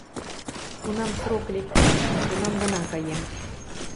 Кунам срок лектеш, тунам гына каем.